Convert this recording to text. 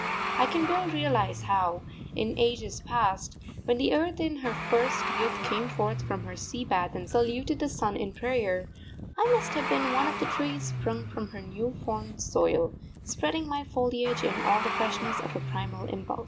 I can well realise how, in ages past, when the earth in her first youth came forth from her sea bath and saluted the sun in prayer, I must have been one of the trees sprung from her new formed soil, spreading my foliage in all the freshness of a primal impulse.